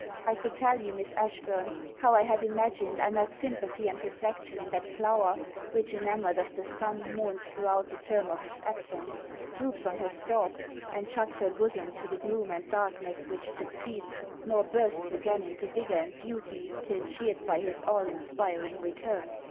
I could tell you, Miss Ashburn, how I have imagined I met sympathy and reflection in that flower which enamoured of the sun mourns throughout the term of his absence, droops on her stalk, and shuts her bosom to the gloom and darkness which succeeds, nor bursts again into vigour and beauty till cheered by his all inspiring return.